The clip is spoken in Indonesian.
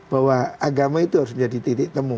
bahwa agama itu harus menjadi titik temu